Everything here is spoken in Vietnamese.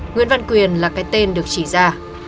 nguyễn văn quyền là cái tên được chỉ ra